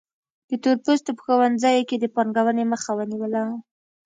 د تور پوستو په ښوونځیو کې د پانګونې مخه ونیوله.